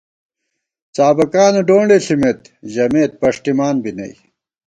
څابَکانہ ڈونڈے ݪِمېت ، ژمېت پݭٹِمان بی نئ